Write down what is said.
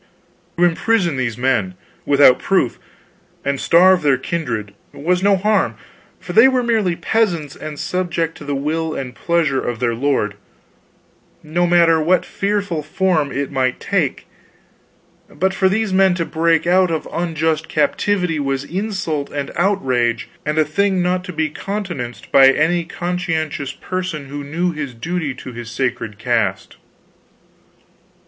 To imprison these men without proof, and starve their kindred, was no harm, for they were merely peasants and subject to the will and pleasure of their lord, no matter what fearful form it might take; but for these men to break out of unjust captivity was insult and outrage, and a thing not to be countenanced by any conscientious person who knew his duty to his sacred caste.